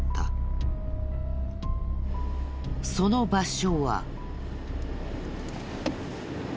その場所は。